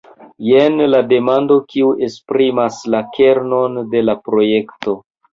Jen la demando kiu esprimas la kernon de la projekto.